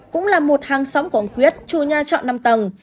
cũng là một hàng xóm của ông quyết chủ nhà trọ năm tầng